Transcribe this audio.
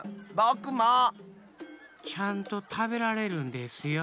ちゃんとたべられるんですよ。